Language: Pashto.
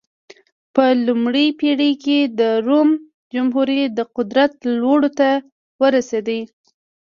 په لومړۍ پېړۍ کې د روم جمهوري د قدرت لوړو ته ورسېده.